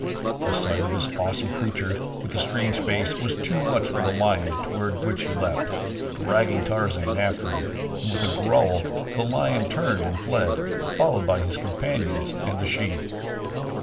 The sight of this awesome creature with the strange face was too much for the lion toward which he leaped, dragging Tarzan after him, and with a growl the lion turned and fled, followed by his companions and the she.